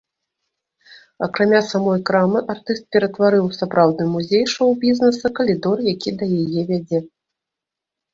Акрамя самой крамы артыст ператварыў у сапраўдны музей шоў-бізнэса калідор, які да яе вядзе.